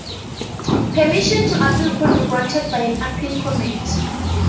Permission to appeal could be granted by an Appeal Committee.